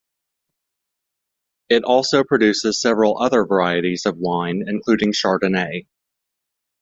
It also produces several other varieties of wine, including Chardonnay.